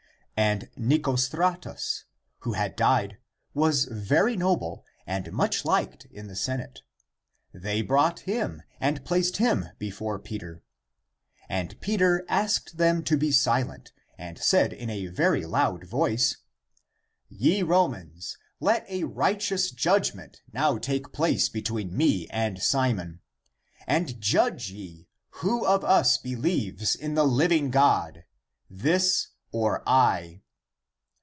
And Nicostratus, who had died was very noble and much liked in the senate. They brought him and placed him before Peter. And Peter asked them to be silent, and said with a very loud voice, " Ye Romans, let a righteous judgment now take place between me and Simon, and judge ye who of us believes in the liv ing God, this or I.